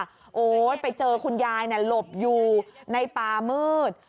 โหไปเจอคุณยายนะก็รบอยู่ในป่ามืด